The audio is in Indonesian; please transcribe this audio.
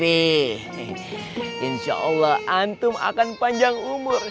nih insya allah antum akan panjang umur